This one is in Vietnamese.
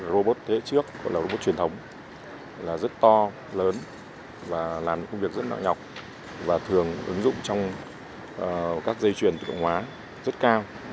robot thế hệ trước hoặc là robot truyền thống là rất to lớn và làm công việc rất nặng nhọc và thường ứng dụng trong các dây chuyển tự động hóa rất cao